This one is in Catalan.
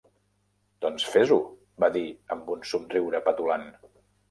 "Doncs fes-ho", va dir amb un somriure petulant.